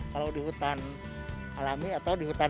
kalau di hutan alami atau di hutan